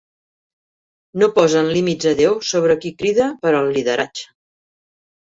No posen límits a Déu sobre qui crida per al lideratge.